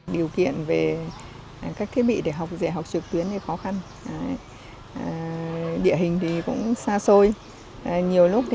điều kiện về các kế bị để dạy học trực tuyến thì khó khăn địa hình thì cũng xa xôi